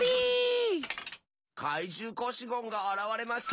かいじゅうコシゴンがあらわれました。